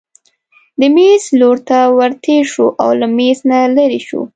د مېز لور ته ورتېر شو او له مېز نه لیرې شو.